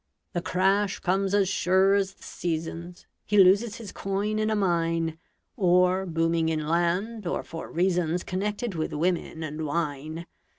The crash comes as sure as the seasons; He loses his coin in a mine, Or booming in land, or for reasons Connected with women and wine.